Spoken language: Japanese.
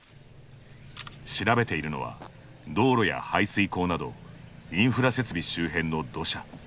調べているのは道路や排水溝などインフラ設備周辺の土砂。